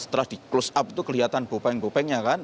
setelah di close up itu kelihatan bopeng bopengnya kan